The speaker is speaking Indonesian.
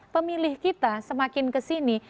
pemilih kita semakin kesini